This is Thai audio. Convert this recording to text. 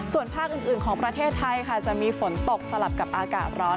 ส่วนภาคอื่นของประเทศไทยค่ะจะมีฝนตกสลับกับอากาศร้อน